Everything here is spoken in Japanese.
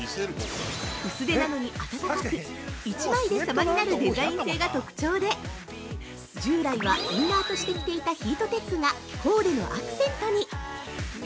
薄手なのに暖かく、１枚で様になるデザイン性が特徴で従来はインナーとして着ていたヒートテックがコーデのアクセントに！